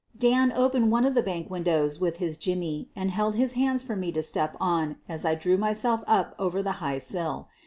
Dan opened one of the bank windows with his jimmy and held his hands for me to step on as I drew myself up over the high sill.